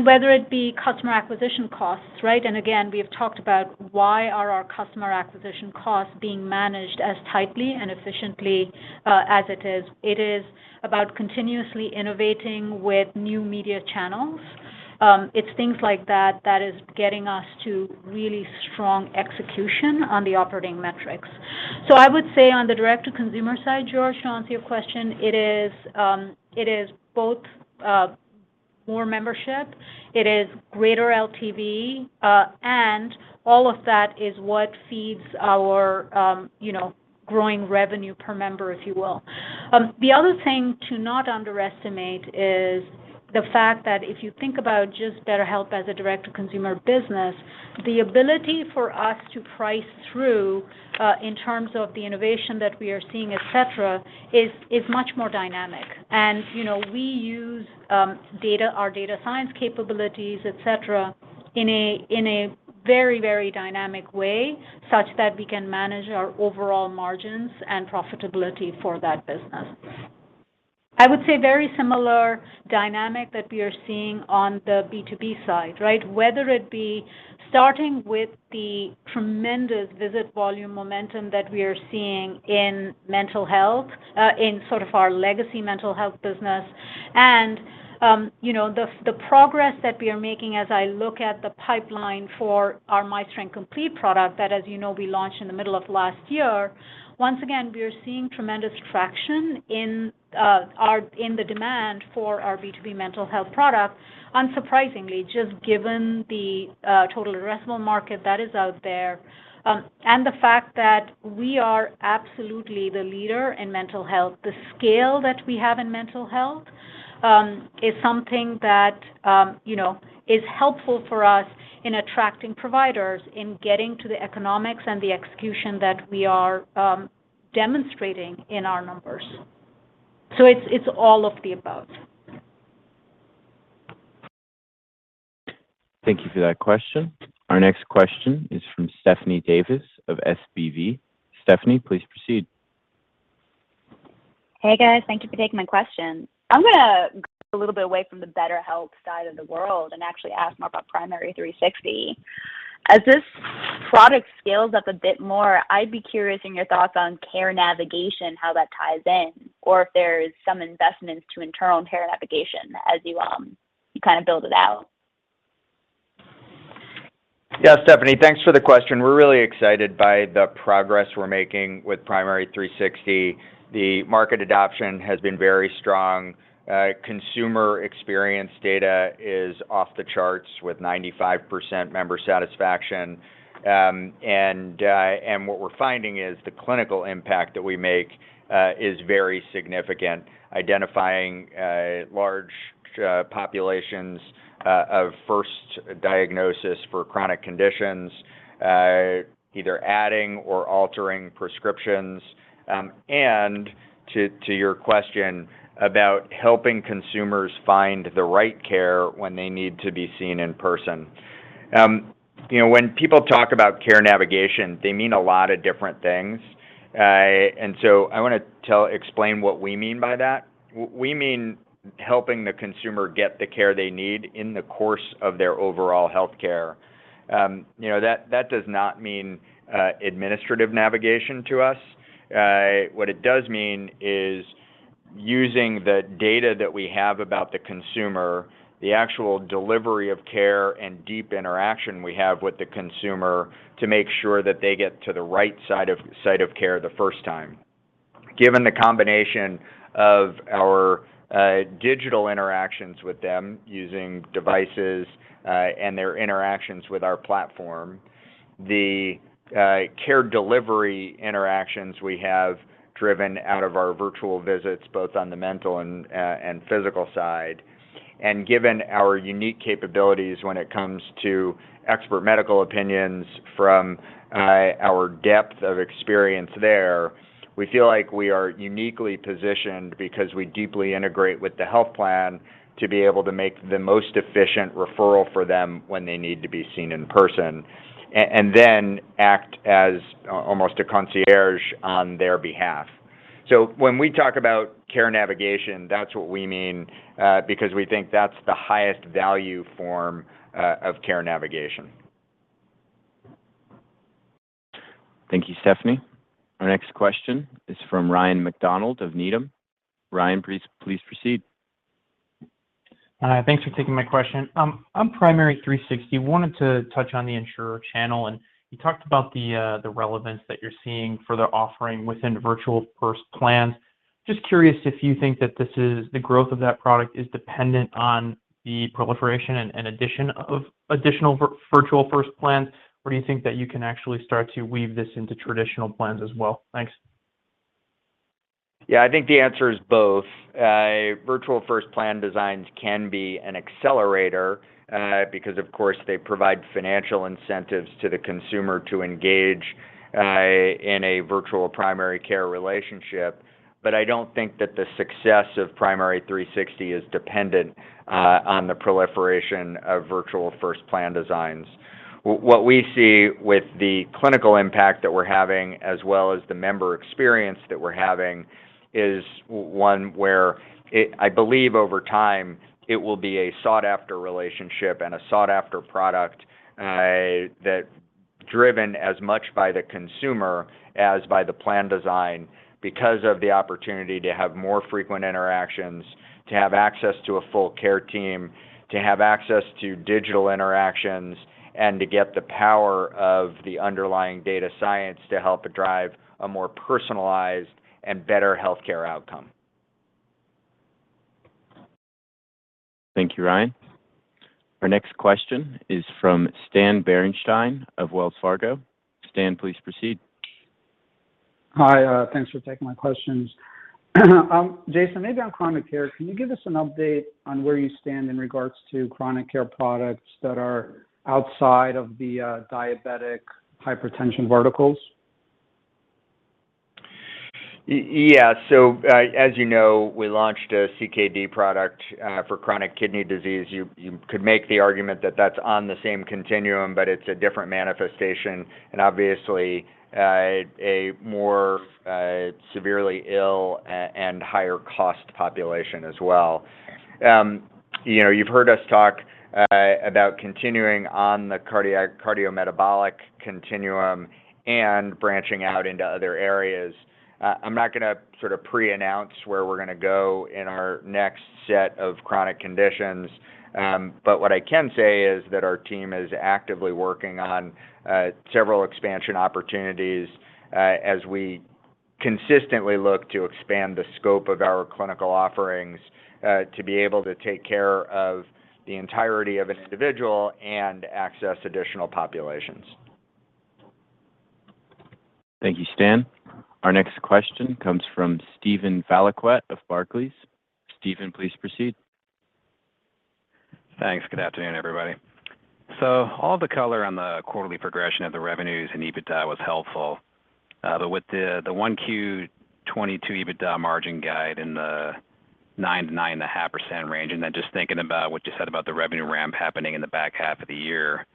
Whether it be customer acquisition costs, right? Again, we have talked about why our customer acquisition costs are being managed as tightly and efficiently as it is. It is about continuously innovating with new media channels. It's things like that that is getting us to really strong execution on the operating metrics. I would say on the Direct-To-Consumer side, George, to answer your question, it is both more membership, it is greater LTV, and all of that is what feeds our you know, growing revenue per member, if you will. The other thing to not underestimate is the fact that if you think about just BetterHelp as a Direct-To-Consumer business, the ability for us to price through in terms of the innovation that we are seeing, et cetera, is much more dynamic. You know, we use data, our data science capabilities, et cetera, in a very dynamic way such that we can manage our overall margins and profitability for that business. I would say very similar dynamic that we are seeing on the B2B side, right? Whether it be starting with the tremendous visit volume momentum that we are seeing in mental health, in sort of our legacy mental health business and, you know, the progress that we are making as I look at the pipeline for our myStrength Complete product that as you know, we launched in the middle of last year. Once again, we are seeing tremendous traction in the demand for our B2B mental health product, unsurprisingly, just given the total addressable market that is out there. The fact that we are absolutely the leader in mental health. The scale that we have in mental health is something that, you know, is helpful for us in attracting providers, in getting to the economics and the execution that we are demonstrating in our numbers. It's all of the above. Thank you for that question. Our next question is from Stephanie Davis of SVB. Stephanie, please proceed. Yeah, Stephanie, thanks for the question. We're really excited by the progress we're making with Primary360. The market adoption has been very strong. Consumer experience data is off the charts with 95% member satisfaction. And what we're finding is the clinical impact that we make is very significant. Identifying large populations of first diagnosis for chronic conditions, either adding or altering prescriptions, and to your question about helping consumers find the right care when they need to be seen in person. You know, when people talk about care navigation, they mean a lot of different things. And so I wanna explain what we mean by that. We mean helping the consumer get the care they need in the course of their overall healthcare. You know, that does not mean administrative navigation to us. What it does mean is using the data that we have about the consumer, the actual delivery of care and deep interaction we have with the consumer to make sure that they get to the right side of care the first time. Given the combination of our digital interactions with them using devices, and their interactions with our platform, the care delivery interactions we have driven out of our virtual visits, both on the mental and physical side, and given our unique capabilities when it comes to expert medical opinions from our depth of experience there, we feel like we are uniquely positioned because we deeply integrate with the health plan to be able to make the most efficient referral for them when they need to be seen in person and then act as almost a concierge on their behalf. When we talk about care navigation, that's what we mean, because we think that's the highest value form of care navigation. Thank you, Stephanie. Our next question is from Ryan MacDonald of Needham. Ryan, please proceed. Thanks for taking my question. On Primary360, wanted to touch on the insurer channel, and you talked about the relevance that you're seeing for the offering within virtual first plans. Just curious if you think that this is the growth of that product is dependent on the proliferation and addition of additional virtual first plans, or do you think that you can actually start to weave this into traditional plans as well? Thanks. Yeah. I think the answer is both. Virtual first plan designs can be an accelerator, because of course, they provide financial incentives to the consumer to engage in a virtual primary care relationship. I don't think that the success of Primary360 is dependent on the proliferation of virtual first plan designs. What we see with the clinical impact that we're having as well as the member experience that we're having is one where I believe over time it will be a sought-after relationship and a sought-after product, that driven as much by the consumer as by the plan design because of the opportunity to have more frequent interactions, to have access to a full care team, to have access to digital interactions, and to get the power of the underlying data science to help drive a more personalized and better healthcare outcome. Thank you, Ryan. Our next question is from Stan Berenshteyn of Wells Fargo. Stan, please proceed. Hi. Thanks for taking my questions. Jason, maybe on chronic care, can you give us an update on where you stand in regards to chronic care products that are outside of the diabetes and hypertension verticals? Yes. As you know, we launched a CKD product for chronic kidney disease. You could make the argument that that's on the same continuum, but it's a different manifestation and obviously a more severely ill and higher cost population as well. You've heard us talk about continuing on the cardiometabolic continuum and branching out into other areas. I'm not gonna sort of preannounce where we're gonna go in our next set of chronic conditions. What I can say is that our team is actively working on several expansion opportunities as we consistently look to expand the scope of our clinical offerings to be able to take care of the entirety of this individual and access additional populations. Thank you, Stan. Our next question comes from Steven Valiquette of Barclays. Steven, please proceed. Thanks. Good afternoon, everybody. All the color on the quarterly progression of the revenues and EBITDA was helpful. With the 1Q 2022 EBITDA margin guide in the 9%-9.5% range, and then just thinking about what you said about the revenue ramp happening in the back 1/2 of the year,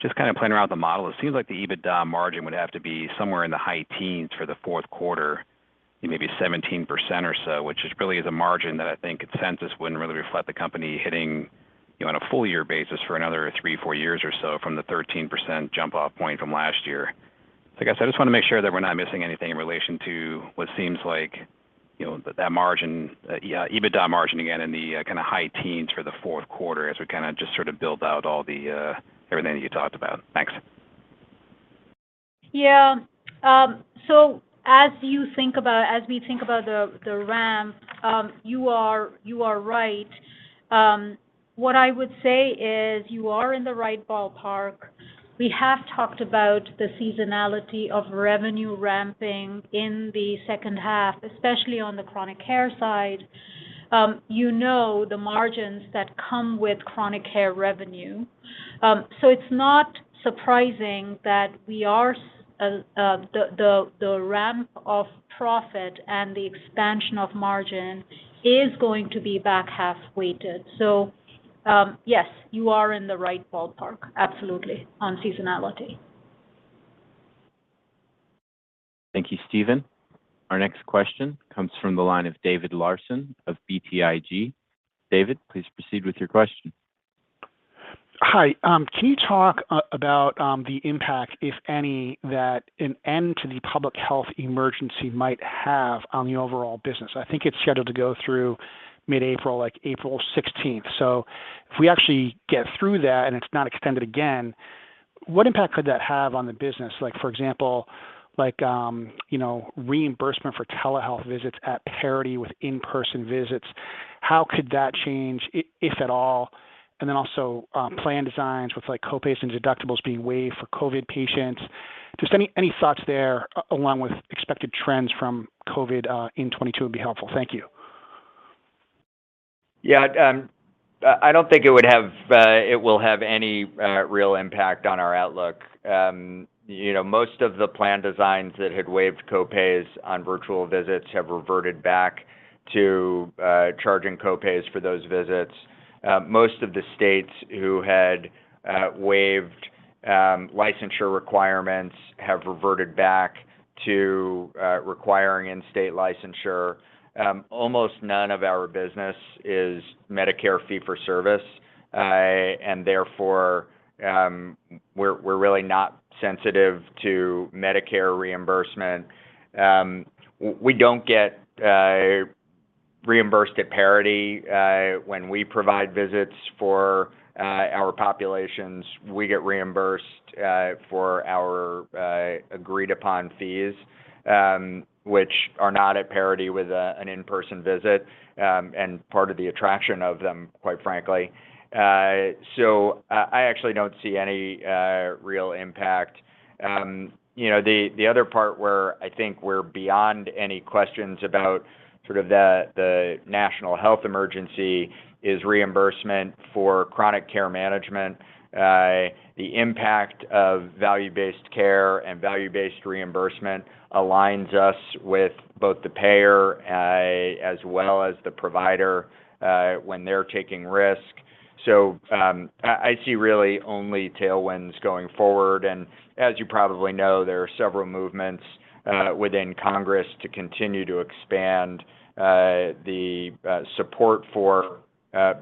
just kind of playing around with the model, it seems like the EBITDA margin would have to be somewhere in the high teens for the fourth 1/4, maybe 17% or so, which is really the margin that I think consensus wouldn't really reflect the company hitting, you know, on a full year basis for another 3-4 years or so from the 13% jump off point from last year. I guess I just wanna make sure that we're not missing anything in relation to what seems like, you know, that margin, EBITDA margin again in the kinda high teens for the fourth 1/4 as we kinda just sort of build out all the everything that you talked about. Thanks. Yeah. As we think about the ramp, you are right. What I would say is you are in the right ballpark. We have talked about the seasonality of revenue ramping in the second 1/2, especially on the chronic care side, you know, the margins that come with chronic care revenue. It's not surprising that the ramp of profit and the expansion of margin is going to be back 1/2 weighted. Yes, you are in the right ballpark, absolutely, on seasonality. Thank you, Steven. Our next question comes from the line of David Larsen of BTIG. David, please proceed with your question. Hi. Can you talk about the impact, if any, that an end to the public health emergency might have on the overall business? I think it's scheduled to go through mid-April, like April 16. If we actually get through that, and it's not extended again, what impact could that have on the business? Like, for example, like, you know, reimbursement for telehealth visits at parity with in-person visits, how could that change if at all? Also, plan designs with, like, co-pays and deductibles being waived for COVID patients. Just any thoughts there along with expected trends from COVID in 2022 would be helpful. Thank you. Yeah. I don't think it will have any real impact on our outlook. You know, most of the plan designs that had waived co-pays on virtual visits have reverted back to charging co-pays for those visits. Most of the states who had waived licensure requirements have reverted back to requiring in-state licensure. Almost none of our business is Medicare fee-for-service, and therefore, we're really not sensitive to Medicare reimbursement. We don't get reimbursed at parity when we provide visits for our populations. We get reimbursed for our agreed upon fees, which are not at parity with an in-person visit, and part of the attraction of them, quite frankly. Actually I don't see any real impact. You know, the other part where I think we're beyond any questions about sort of the national health emergency is reimbursement for chronic care management. The impact of value-based care and value-based reimbursement aligns us with both the payer as well as the provider when they're taking risk. I see really only tailwinds going forward. As you probably know, there are several movements within Congress to continue to expand the support for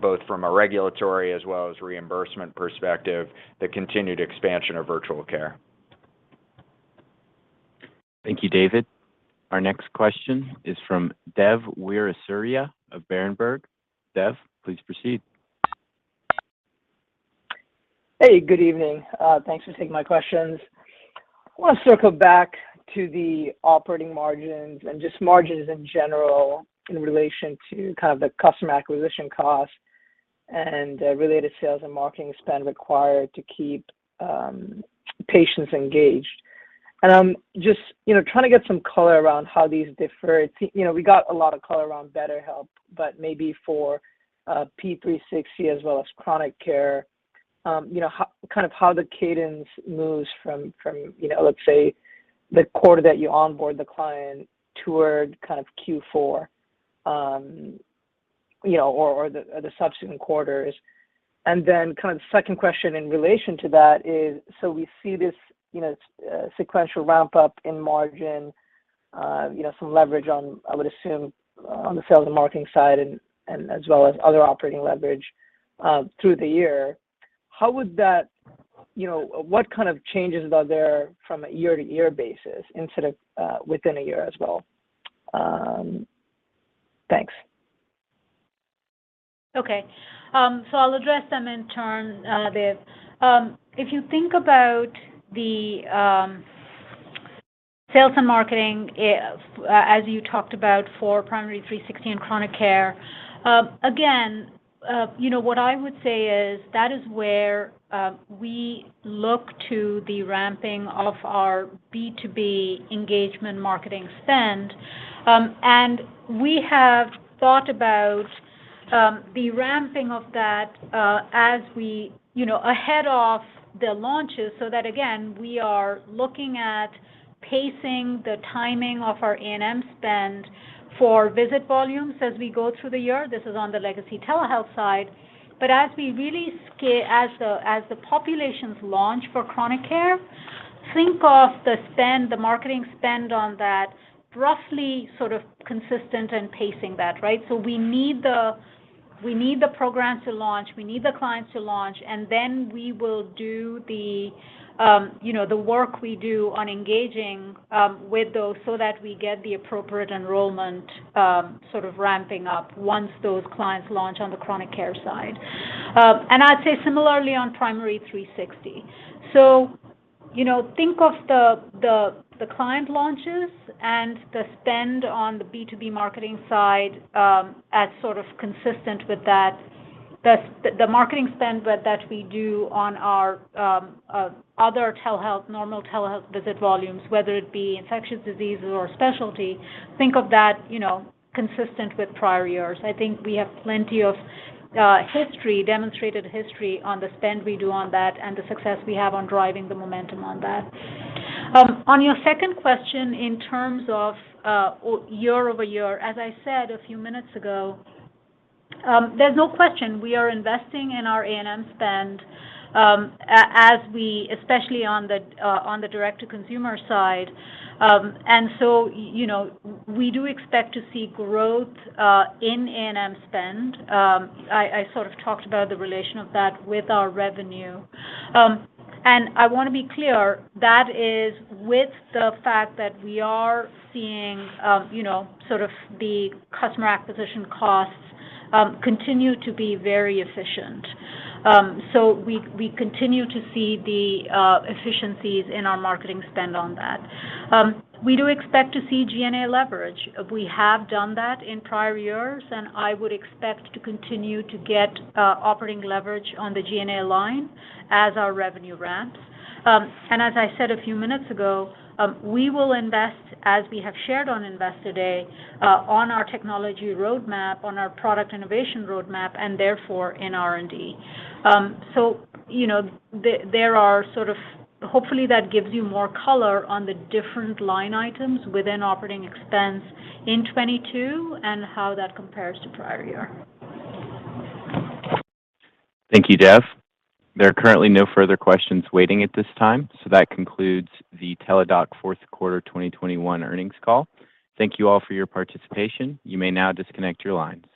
both from a regulatory as well as reimbursement perspective, the continued expansion of virtual care. Thank you, David. Our next question is from Dev Weerasuriya of Berenberg. Dev, please proceed. Hey, good evening. Thanks for taking my questions. I wanna circle back to the operating margins and just margins in general in relation to kind of the customer acquisition costs and related sales and marketing spend required to keep patients engaged. I'm just, you know, trying to get some color around how these differ. You know, we got a lot of color around BetterHelp, but maybe for P360 as well as chronic care, you know, kind of how the cadence moves from you know, let's say the 1/4 that you onboard the client toward kind of Q4, you know, or the subsequent quarters. Kind of second question in relation to that is, so we see this, you know, sequential ramp up in margin, you know, some leverage on, I would assume, on the sales and marketing side and as well as other operating leverage, through the year. How would that you know, what kind of changes are there from a year to year basis instead of, within a year as well? Thanks. Okay. I'll address them in turn, Dev. If you think about the sales and marketing, as you talked about for Primary360 and chronic care, again, you know, what I would say is that is where we look to the ramping of our B2B engagement marketing spend. We have thought about the ramping of that, as we, you know, ahead of the launches, so that again, we are looking at pacing the timing of our A&M spend for visit volumes as we go through the year. This is on the legacy telehealth side. As the populations launch for chronic care, think of the spend, the marketing spend on that roughly sort of consistent and pacing that, right? We need the program to launch, we need the clients to launch, and then we will do the work we do on engaging with those so that we get the appropriate enrollment, sort of ramping up once those clients launch on the chronic care side. I'd say similarly on Primary360. You know, think of the client launches and the spend on the B2B marketing side as sort of consistent with that. The marketing spend that we do on our other telehealth normal telehealth visit volumes, whether it be infectious diseases or specialty, think of that, you know, consistent with prior years. I think we have plenty of history, demonstrated history on the spend we do on that and the success we have on driving the momentum on that. On your second question, in terms of Year-Over-Year, as I said a few minutes ago, there's no question we are investing in our A&M spend, as we, especially on the direct to consumer side. You know, we do expect to see growth in A&M spend. I sort of talked about the relation of that with our revenue. I wanna be clear, that is with the fact that we are seeing, you know, sort of the customer acquisition costs continue to be very efficient. We continue to see the efficiencies in our marketing spend on that. We do expect to see G&A leverage. We have done that in prior years, and I would expect to continue to get operating leverage on the G&A line as our revenue ramps. As I said a few minutes ago, we will invest, as we have shared on Investor Day, on our technology roadmap, on our product innovation roadmap, and therefore in R&D. You know, hopefully that gives you more color on the different line items within operating expense in 2022 and how that compares to prior year. Thank you, Dev. There are currently no further questions waiting at this time, so that concludes the Teladoc fourth 1/4 2021 earnings call. Thank you all for your participation. You may now disconnect your lines.